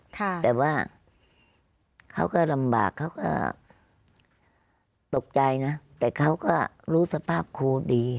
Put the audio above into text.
แต่ว่าเขาก็ลำบากเขาก็ตกใจนะแต่เขาก็รู้สภาพครูดี